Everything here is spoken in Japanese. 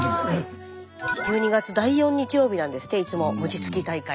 １２月第４日曜日なんですっていつも餅つき大会。